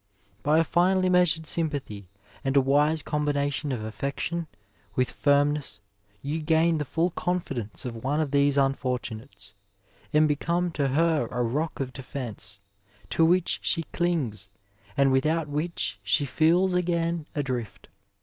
By a finely measured sympathy and a wise combination of affection with firmness, you gain the full confidence of one of these unfortunates, and become to her a rock of defence, to which she clings, and without which she feels again adrift.